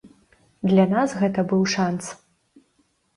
Для нас гэта быў шанц.